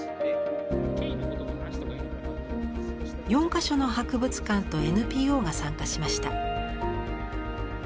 ４か所の博物館とＮＰＯが参加しました。